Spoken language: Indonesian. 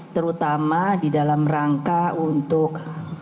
terutama di dalam rangka untuk